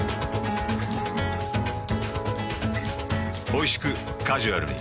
おいしくカジュアルに。